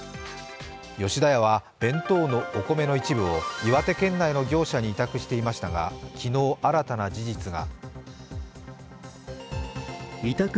吉田屋は弁当のお米の一部を岩手県内の業者に委託していましたが、昨日、新たな事実が。